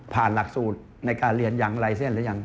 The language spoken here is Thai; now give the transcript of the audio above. ผ่านหลักสูตรในการเรียนยังลายเส้นหรือยัง